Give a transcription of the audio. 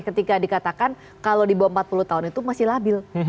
ketika dikatakan kalau di bawah empat puluh tahun itu masih labil